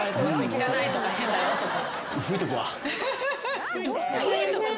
「汚い」とか「変だよ」とか。